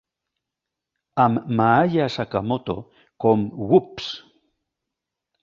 Amb Maaya Sakamoto com "Whoops!!